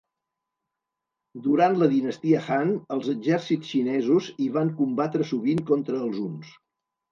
Durant la dinastia Han, els exèrcits xinesos hi van combatre sovint contra els huns.